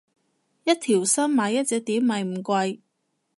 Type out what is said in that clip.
一條心買一隻碟咪唔貴